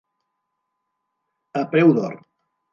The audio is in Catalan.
A preu d'or.